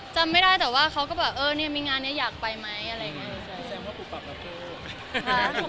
จำไม่ได้แต่ว่าเขาก็แบบเออเนี่ยมีงานนี้อยากไปไหมอะไรอย่างนี้